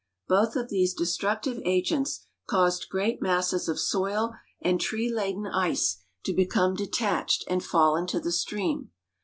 Both of these destructive agents caused great masses of soil and tree laden ice to become detached and fall into the stream.